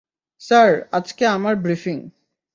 Sir, আজকে আমার briefing.